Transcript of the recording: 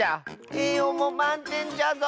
えいようもまんてんじゃぞ！